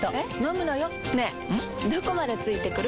どこまで付いてくる？